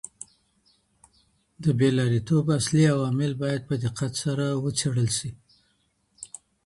د بېلارېتوب اصلي عوامل بايد په دقت وڅېړل سي.